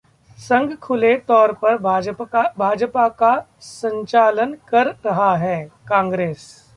संघ खुले तौर पर भाजपा का संचालन कर रहा है: कांग्रेस